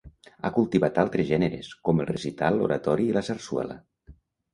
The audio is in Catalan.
Ha cultivat altres gèneres, com el recital, l'oratori i la sarsuela.